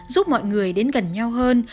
giúp mọi người đến gần nhau hơn